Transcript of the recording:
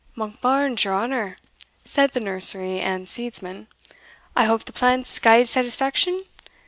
"Monkbarns, your honour," said the nursery and seedsman, "I hope the plants gied satisfaction?